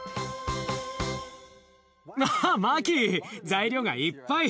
わマキ材料がいっぱい！